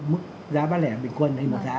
mức giá bán lẻ bình quân